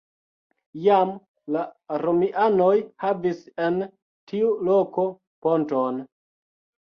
Jam la romianoj havis en tiu loko ponton.